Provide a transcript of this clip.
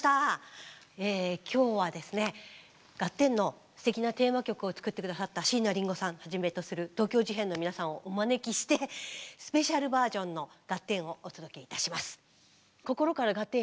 今日はですね「ガッテン！」のすてきなテーマ曲を作って下さった椎名林檎さんはじめとする東京事変の皆さんをお招きしてスペシャルバージョンの「ガッテン！」をお届けいたします。